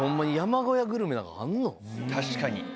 確かに。